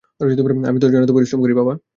আমি তোর জন্য এত পরিশ্রম করি, বাবা।